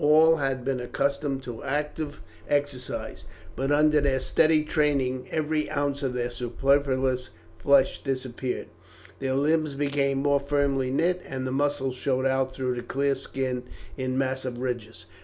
All had been accustomed to active exercise, but under their steady training every ounce of superfluous flesh disappeared, their limbs became more firmly knit, and the muscles showed out through the clear skin in massive ridges.